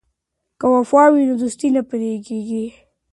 که وفا وي نو دوستي نه پرې کیږي.